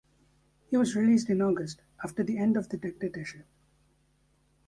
He was released in August, after the end of the dictatorship.